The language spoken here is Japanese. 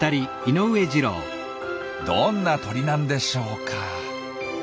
どんな鳥なんでしょうか？